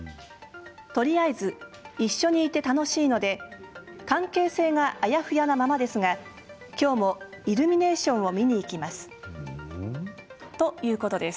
とりあえず一緒にいて楽しいので関係性があやふやなままですがきょうもイルミネーションを見に行きますということです。